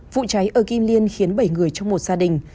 vụ cháy ở kim liên khiến bảy người trong một gia đình